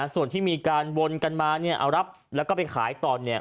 ส่วนที่มีการวนกันมาเอารับแล้วก็ไปขายต่อ